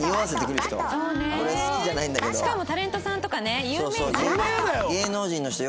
しかもタレントさんとかね有名人が。